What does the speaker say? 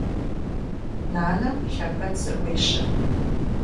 Нанэ лъэпэд зэӏуещэ.